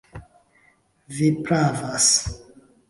Vi pravas.